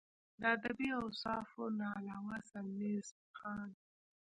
د ادبي اوصافو نه علاوه سرنزېب خان